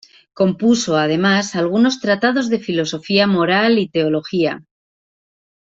Compuso, además, algunos tratados de filosofía moral y teología.